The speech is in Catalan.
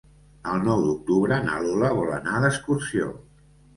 El nou d'octubre na Lola vol anar d'excursió.